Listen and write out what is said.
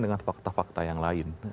dengan fakta fakta yang lain